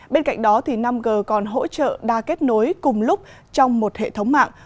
bên cạnh đó năm g còn hỗ trợ đa kết nối cùng lúc trong một hệ thống mạng